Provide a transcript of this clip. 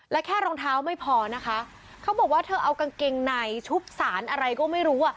และแค่รองเท้าไม่พอนะคะเขาบอกว่าเธอเอากางเกงในชุบสารอะไรก็ไม่รู้อ่ะ